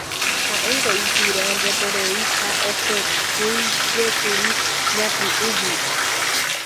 Ha'éngo ipire'andueterei ha ohekýijekuri ñati'ũgui.